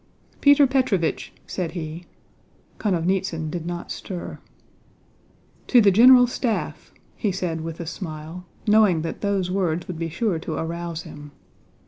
"Peter Petróvich!" said he. (Konovnítsyn did not stir.) "To the General Staff!" he said with a smile, knowing that those words would be sure to arouse him.